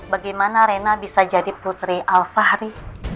bagaimana rena bisa jadi putri al fahri